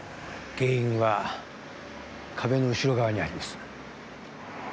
原因は壁の後ろ側にあります